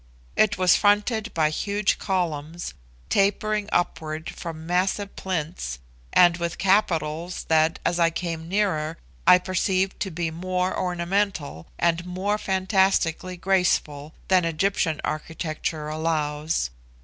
It was fronted by huge columns, tapering upward from massive plinths, and with capitals that, as I came nearer, I perceived to be more ornamental and more fantastically graceful that Egyptian architecture allows.